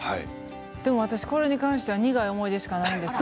でも私、これに関しては苦い思い出しかないんです。